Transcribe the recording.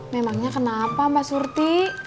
memangnya kenapa mbak surti